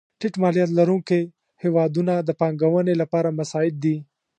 ټیټ مالیات لرونکې هېوادونه د پانګونې لپاره مساعد دي.